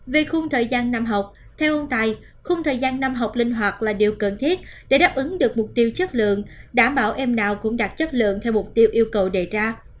về khung thời gian năm học theo ông tài khung thời gian năm học linh hoạt là điều cần thiết để đáp ứng được mục tiêu chất lượng đảm bảo em nào cũng đạt chất lượng theo mục tiêu yêu cầu đề ra